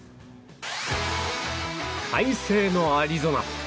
快晴のアリゾナ。